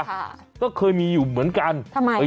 ค่ะก็เคยมีอยู่เหมือนกันทำไม